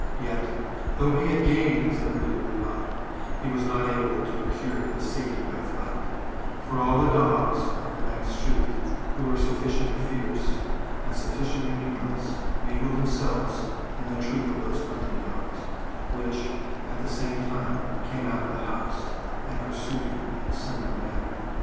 Yet, though he had gained his liberty abroad, he was not able to procure his safety by flight ; for all the dogs of the next street, who were sufficiently fierce, and sufficiently numerous, mingled themselves in troops with those hunting dogs, which, at the same time, came out of the house, and pursued him in a similar man ner.